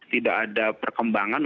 tidak ada perkembangan